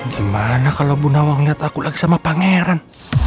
gimana kalau bu nawang lihat aku lagi sama pangeran